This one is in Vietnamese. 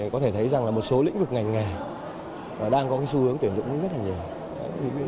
có thể thấy rằng là một số lĩnh vực ngành nghề đang có cái xu hướng tuyển dụng rất là nhiều